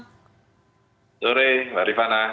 selamat sore mbak rifana